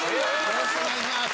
よろしくお願いします！